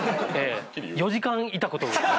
４時間いた事が。